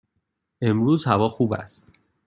امروز هوا خوب است.